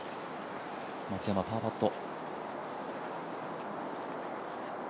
松山、パーパット。